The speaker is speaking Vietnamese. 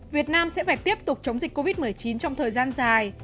việt nam sẽ phải tiếp tục chống dịch covid một mươi chín trong thời gian dài